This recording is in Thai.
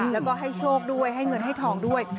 แล้วก็ให้โชคด้วยให้เงินให้ทองด้วย